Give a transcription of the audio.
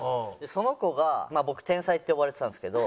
その子が僕「天才」って呼ばれてたんですけど。